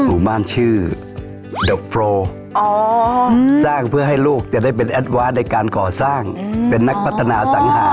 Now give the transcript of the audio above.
หมู่บ้านชื่อดอฟโรสร้างเพื่อให้ลูกจะได้เป็นแอดวาสในการก่อสร้างเป็นนักพัฒนาสังหา